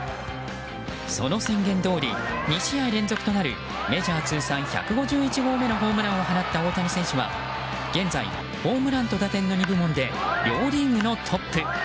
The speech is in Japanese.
その宣言どおり２試合連続となるメジャー通算１５１号目のホームランを放った大谷選手は現在ホームランと打点の２部門で両リーグのトップ。